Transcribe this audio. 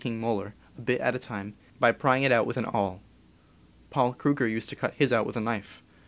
34 CAMPING AND WOODQRAFT molar, a bit at a time, by prying it out with an awl. Paul Kruger used to cut his out with a knife.